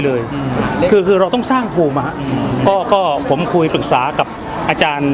เลยคือคือเราต้องสร้างภูมิอ่ะฮะก็ก็ผมคุยปรึกษากับอาจารย์